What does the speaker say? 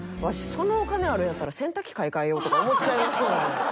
そのお金あるんやったら洗濯機買い替えようとか思っちゃいますもん。